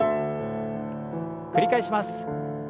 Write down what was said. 繰り返します。